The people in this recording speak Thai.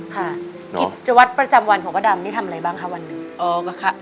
กิจวัตรประจำวันของป้าดำนี่ทำอะไรบ้างคะวันหนึ่ง